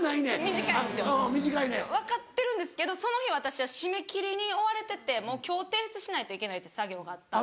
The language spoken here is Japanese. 短いんですよ分かってるんですけどその日私は締め切りに追われててもう今日提出しないといけないって作業があって。